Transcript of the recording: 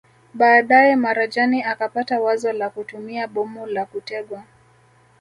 Baadae Marajani akapata wazo la kutumia bomu la kutegwa